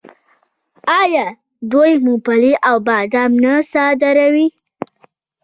آیا دوی ممپلی او بادام نه صادروي؟